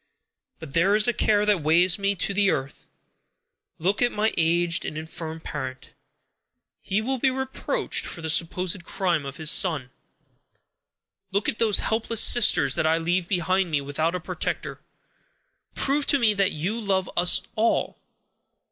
But there is a care that weighs me to the earth. Look at my aged and infirm parent. He will be reproached for the supposed crime of his son. Look at those helpless sisters that I leave behind me without a protector. Prove to me that you love us all.